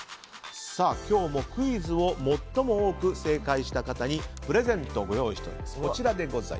今日もクイズを最も多く正解した方にプレゼントをご用意しております。